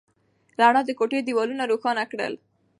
رڼا د کوټې دیوالونه روښانه کړل.